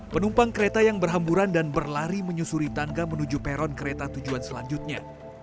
penumpang kereta yang berhamburan dan berlari menyusuri tangga menuju peron kereta tujuan selanjutnya